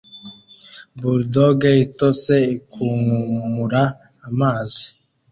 Bulldog itose ikunkumura amazi